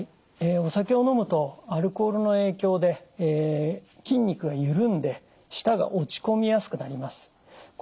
お酒を飲むとアルコールの影響で筋肉がゆるんで舌が落ち込みやすくなります。